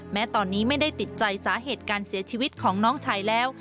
แม้ตอนนี้ไม่ได้ติดใจสาเหตุการเสียชีวิตของน้องชายแล้ว